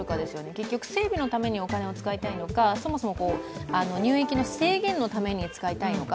結局、整備のためにお金を使いたいのか、入域の制限に使いたいのか、